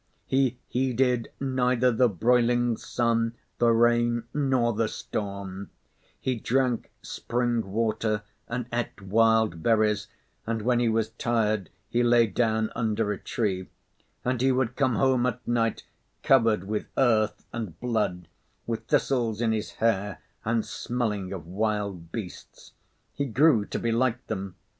He heeded neither the broiling sun, the rain nor the storm; he drank spring water and ate wild berries, and when he was tired, he lay down under a tree; and he would come home at night covered with earth and blood, with thistles in his hair and smelling of wild beasts. He grew to be like them.